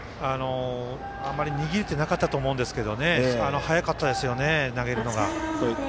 あまり握れてなかったと思うんですけど速かったですよね、投げるのが。